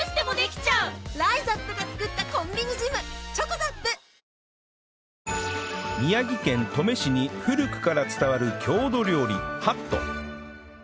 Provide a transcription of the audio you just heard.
三井不動産宮城県登米市に古くから伝わる郷土料理はっと